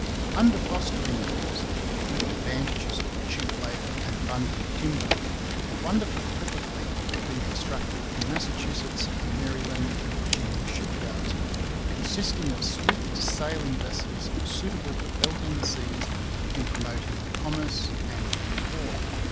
Under fostering laws, with the advantages of cheap labour and abundant timber, a wonderful clipper fleet had been constructed in Massachusetts and Maryland and Virginia ship yards, consisting of swift sailing vessels suitable for belting the seas in promoting commerce and in war.